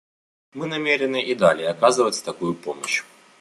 Мы намерены и далее оказывать такую помощь.